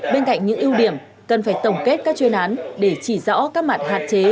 bên cạnh những ưu điểm cần phải tổng kết các chuyên án để chỉ rõ các mặt hạn chế